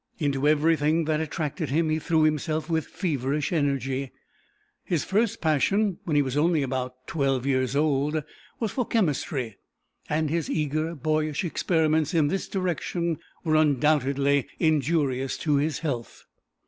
Into everything that attracted him he threw himself with feverish energy. His first passion, when he was only about twelve years old, was for chemistry, and his eager boyish experiments in this direction were undoubtedly injurious to his health.